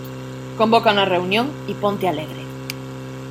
Convoca una reunión y ponte alegre.